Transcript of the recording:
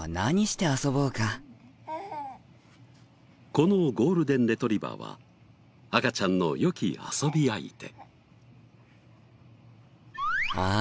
このゴールデンレトリバーは赤ちゃんのよき遊び相手。